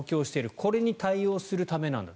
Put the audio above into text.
これに対応するためなんだと。